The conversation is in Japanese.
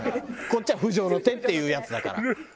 こっちは不浄の手っていうやつだから。